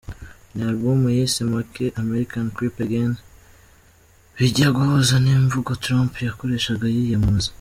Ni album yise "Make America Crip Again" bijya guhuza n’imvugo Trump yakoreshaga yiyamamaza.